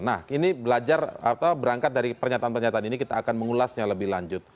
nah ini belajar atau berangkat dari pernyataan pernyataan ini kita akan mengulasnya lebih lanjut